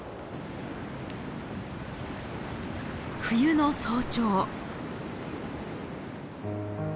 冬の早朝。